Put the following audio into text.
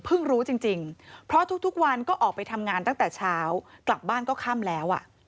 รู้จริงเพราะทุกวันก็ออกไปทำงานตั้งแต่เช้ากลับบ้านก็ค่ำแล้ว